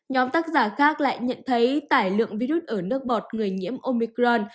nhóm tác giả khác lại nhận thấy tải lượng virus ở nước bọt người nhiễm omicron